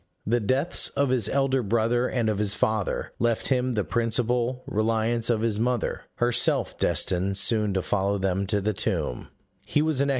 The deaths of his elder brother and of his father left him the principal reliance of his mother, herself destined soon to follow them to the tomb: he was an excellent and devoted son.